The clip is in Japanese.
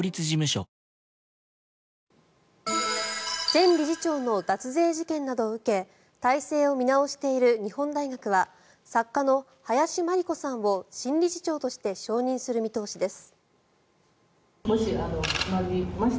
前理事長の脱税事件などを受け体制を見直している日本大学は作家の林真理子さんを新理事長として承認する見通しです。